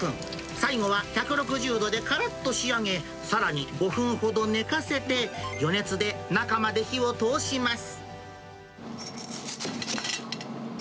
最後は１６０度でからっと仕上げ、さらに５分ほど寝かせて、余熱で中まで火を通します。